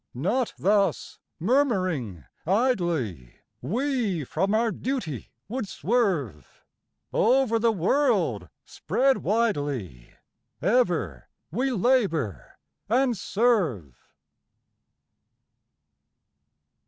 Not thus, murmuring idly, we from our duty would swerve, Over the world spread widely ever we labour and serve.